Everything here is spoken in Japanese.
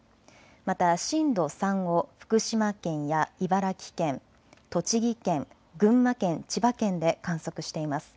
また震度３を福島県や茨城県、栃木県、群馬県、千葉県で観測しています。